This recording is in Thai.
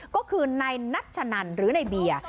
ก็คือนายนัชนันหรือในเบียร์